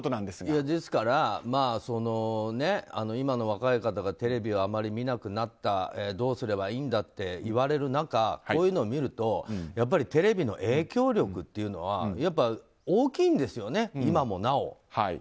ですから、今の若い方がテレビをあまり見なくなったどうすればいいんだって言われる中こういうのを見るとテレビの影響力っていうのは大きいんですよね、今もなお。